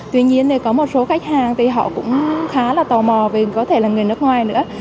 tuy nhiên thì có một số khách hàng thì họ cũng khá là tò mò vì có thể là người nước ngoài nữa